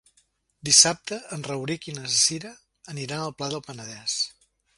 Dissabte en Rauric i na Cira aniran al Pla del Penedès.